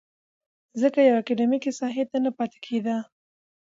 ځکه يوې اکادميکې ساحې ته نه پاتې کېده.